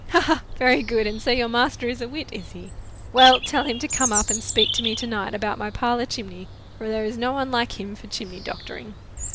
"Ha, ha! very good! And so your master is a wit, is he? Well! tell him to come up and speak to me to night about my parlour chimney, for there is no one like him for chimney doctoring."